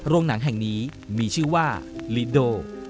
หนังแห่งนี้มีชื่อว่าลิโด